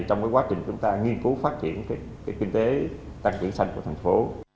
trong cái quá trình chúng ta nghiên cứu phát triển cái kinh tế tăng trưởng xanh của thành phố